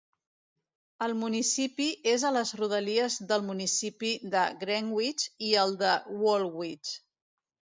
El municipi és a les rodalies del municipi de Greenwich i el de Woolwich.